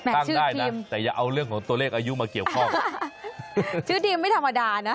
ตั้งได้นะแต่อย่าเอาเรื่องของตัวเลขอายุมาเกี่ยวข้องชื่อทีมไม่ธรรมดานะ